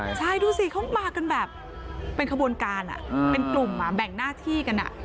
ใช่ดูสิเขามากันแบบเป็นขบวนการเป็นกลุ่มแบ่งหน้าที่กัน